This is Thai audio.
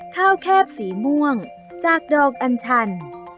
แคบสีม่วงจากดอกอัญชัน